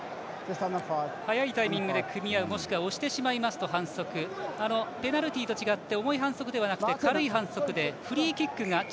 早いタイミングで組み合うもしくは押してしまうと反則、ペナルティと違って重い反則ではなくて軽い反則でチリにフリーキック。